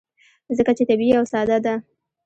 ځکه چې طبیعي او ساده ده.